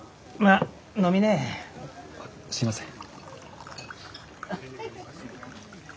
あっすいません。